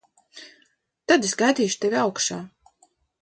Tad es gaidīšu tevi augšā.